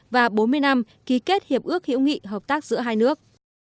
và bốn mươi năm ký kết hiệp ước hữu nghị hợp tác giữa hai nước